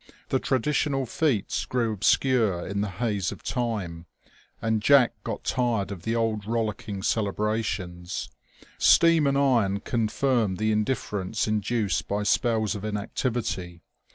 The tradi tional feats grew obscure in the haze of time, and Jack got tired of the old rollicking celebrations. Steam and iron confirmed the indifference induced by spells of inactivity.